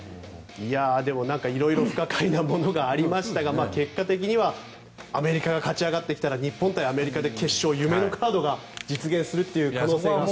でも、色々不可解なものがありましたが結果的にはアメリカが勝ち上がって日本対アメリカで決勝夢のカードが実現する可能性も。